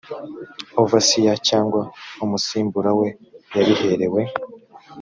overseer cyangwa umusimbura we yabiherewe